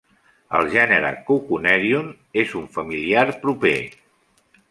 El gènere "Cocconerion" és un familiar proper.